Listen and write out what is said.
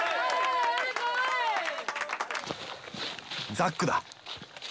ザックだ。